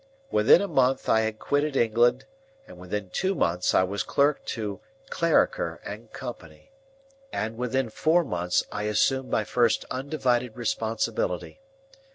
Within a month, I had quitted England, and within two months I was clerk to Clarriker and Co., and within four months I assumed my first undivided responsibility.